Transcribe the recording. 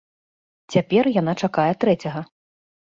Цяпер яна чакае трэцяга.